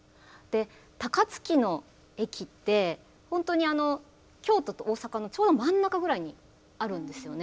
高槻の駅って本当に京都と大阪のちょうど真ん中ぐらいにあるんですよね。